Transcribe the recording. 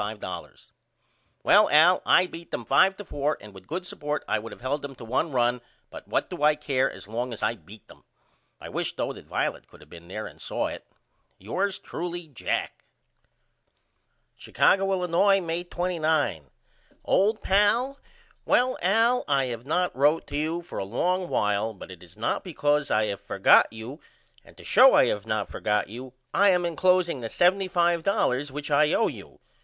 Well Al I beat them 5 to 4 and with good support I would of held them to 1 run but what do I care as long as I beat them? I wish though that Violet could of been there and saw it. Yours truly, JACK. Chicago, Illinois, May 29. OLD PAL: Well Al I have not wrote to you for a long while but it is not because I have forgot you and to show I have not forgot you I am encloseing the $75.00 which I owe you.